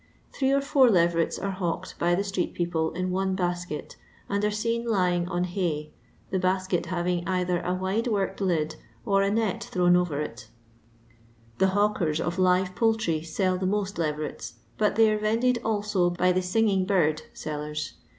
Three or four leverets are hawked by the street people in one basket and are seen lying on hay, the basket having either a wide worked lid, or a net thrown over it The hawkers of live poultry sell the mott leverett, but they are vended alto by the tinging bird tellers.